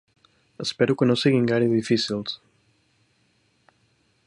Espero que no siguin gaire difícils.